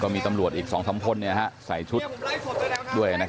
มีตำรวจอีก๒สัมพลณ์ใส่ชุดด้วย